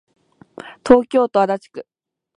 東京都足立区